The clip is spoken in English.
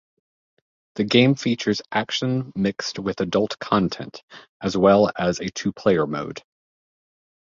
The game features action mixed with adult content, as well as a two-player mode.